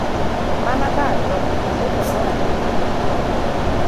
mana ka atho, Naseko nowacho e chunye